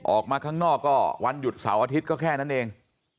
ออกมาข้างนอกก็วันหยุดเสาร์อาทิตย์ก็แค่นั้นเอง